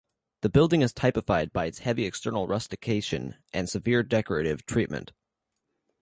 The building is typified by its heavy external rustication and severe decorative treatment.